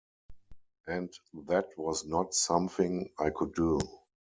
And that was not something I could do.